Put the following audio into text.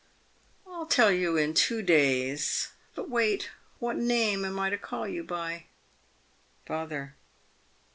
I'll tell you in two days. But jwait! What name am I to call you by ? Father.